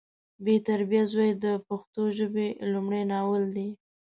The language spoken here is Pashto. بې تربیه زوی د پښتو ژبې لمړی ناول دی